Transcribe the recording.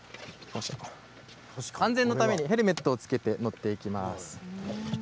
安全のためにヘルメットを着けて乗っていきます。